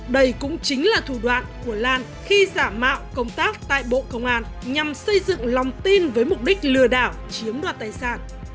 đây cũng chính là thủ đoạn của lan khi giả mạo công tác tại bộ công an nhằm xây dựng lòng tin với mục đích lừa đảo chiếm đoạt tài sản